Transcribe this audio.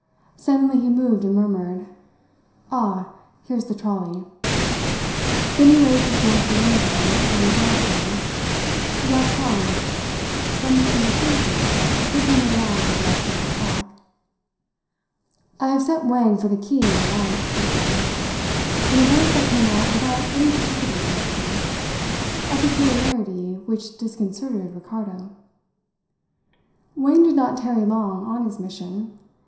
Suddenly he moved, and murmured: "Ah, here's the trolley." Then he raised his voice in Malay, and was answered, "Ya tuan," from an indistinct group that could be made out in the direction of the track. "I have sent Wang for the key and a light," he said, in a voice that came out without any particular direction a peculiarity which disconcerted Ricardo. Wang did not tarry long on his mission.